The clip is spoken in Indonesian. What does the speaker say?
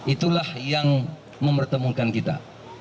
itulah yang memertemukan kita